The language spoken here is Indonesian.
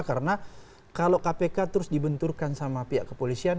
karena kalau kpk terus dibenturkan sama pihak kepolisian